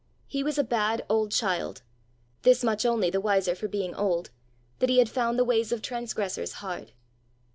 He was a bad old child this much only the wiser for being old, that he had found the ways of transgressors hard.